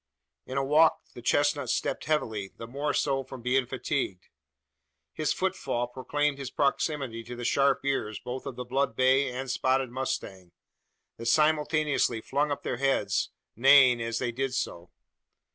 In a walk the chestnut stepped heavily the more so from being fatigued. His footfall proclaimed his proximity to the sharp ears, both of the blood bay and spotted mustang; that simultaneously flung up their heads, neighing as they did so.